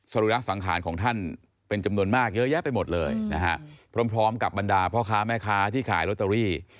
รีระสังขารของท่านเป็นจำนวนมากเยอะแยะไปหมดเลยนะฮะพร้อมกับบรรดาพ่อค้าแม่ค้าที่ขายลอตเตอรี่